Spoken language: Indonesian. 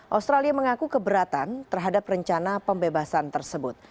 australia mengaku keberatan terhadap rencana pembebasan tersebut